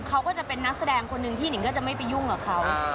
เขาก็จะเป็นนักแสดงคนหนึ่งที่หนิงก็จะไม่ไปยุ่งกับเขา